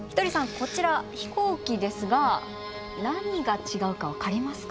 こちら飛行機ですが何が違うか分かりますか？